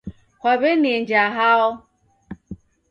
Kwaw'enienja hao